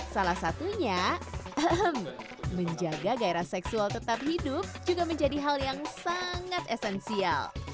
salah satunya menjaga gairah seksual tetap hidup juga menjadi hal yang sangat esensial